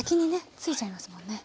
付いちゃいますもんね。